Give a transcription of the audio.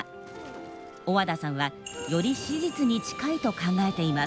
小和田さんはより史実に近いと考えています。